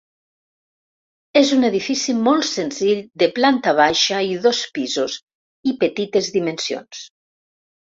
És un edifici molt senzill de planta baixa i dos pisos i petites dimensions.